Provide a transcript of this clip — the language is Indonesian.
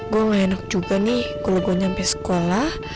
gue gak enak juga nih kalau gue nyampe sekolah